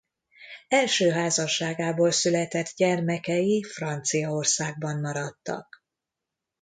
Első házasságából született gyermekei Franciaországban maradtak.